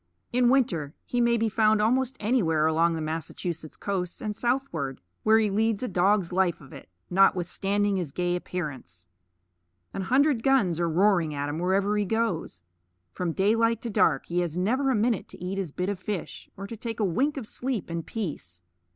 In winter he may be found almost anywhere along the Massachusetts coast and southward, where he leads a dog's life of it, notwithstanding his gay appearance. An hundred guns are roaring at him wherever he goes. From daylight to dark he has never a minute to eat his bit of fish, or to take a wink of sleep in peace.